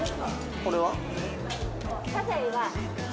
これは？